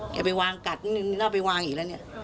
นายไปวางกัดนี่นี่เอาไปวางอีกแล้วเนี้ยใช่